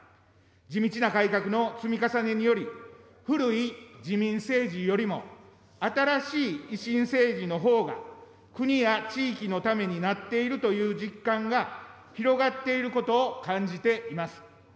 地道な改革の積み重ねにより、古い自民政治よりも新しい維新政治のほうが国や地域のためになっているという実感が広がっていることを感じています。